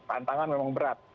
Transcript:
tantangan memang berat